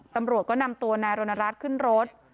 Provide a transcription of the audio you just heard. ตำรวจก็นำตัวนายรณรัฐขึ้นรถ